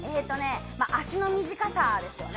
足の短さですよね。